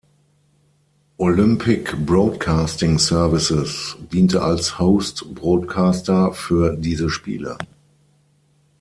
Olympic Broadcasting Services diente als Host-Broadcaster für diese Spiele.